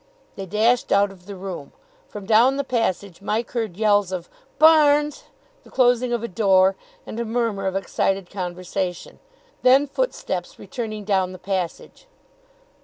They dashed out of the room. From down the passage Mike heard yells of "Barnes!" the closing of a door, and a murmur of excited conversation. Then footsteps returning down the passage.